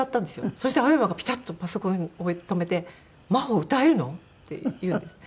そしたら青山がピタッとパソコン止めて「真帆歌えるの？」って言うんです。